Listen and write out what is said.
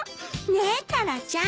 ねえタラちゃん。